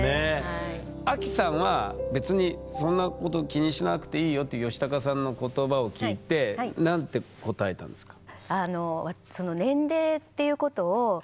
アキさんは別にそんなこと気にしなくていいよっていうヨシタカさんの言葉を聞いて何て答えたんですか？